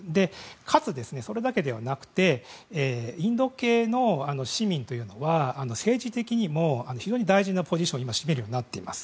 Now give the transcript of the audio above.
かつ、それだけではなくてインド系の市民というのは政治的にも非常に大事なポジションを占めるようになっています。